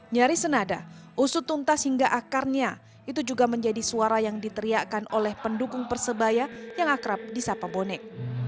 nyaris senada usut tuntas hingga akarnya itu juga menjadi suara yang diteriakan oleh pendukung persebaya yang akrab di sapa bonek